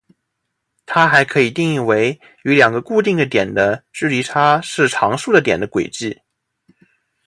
它还可以定义为与两个固定的点的距离差是常数的点的轨迹。